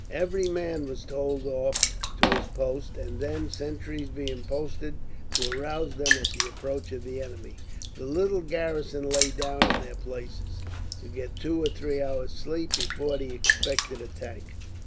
Every man was told off to his post, and then, sentries being posted to arouse them at the approach of the enemy, the little garrison lay down in their places, to get two or three hours' sleep before the expected attack.